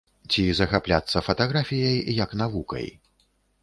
Ці захапляцца фатаграфіяй як навукай.